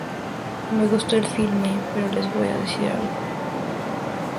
Me gustó el filme, pero les voy a decir algo.